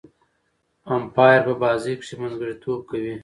امپایر په بازي کښي منځګړیتوب کوي.